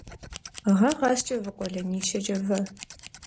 Гъэ къэскӏэ вы къуэлэнищэкӏэ вэ.